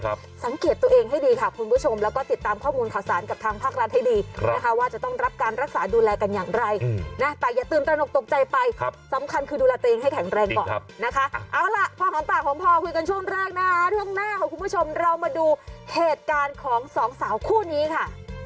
เราต้องดูละตีให้แข็งแรงก่อนนะคะเอาล่ะพอหอมปากหอมพอคุยกันช่วงแรกนะครับช่วงหน้าของคุณผู้ชมเรามาดูเหตุการณ์ของสองสาวคู่นี้ค่ะ